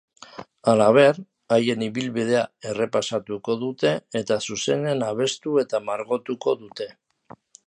Halaber, haien ibilbidea errepasatuko dute eta zuzenean abestu eta margotuko dute.